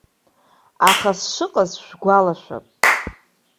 Аха сшыҟаз шәгәалашәап.